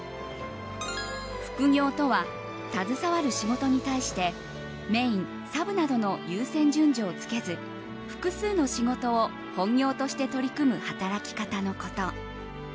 複業とは携わる仕事に対してメイン、サブなどの優先順序をつけず複数の仕事を本業として取り組む働き方のこと。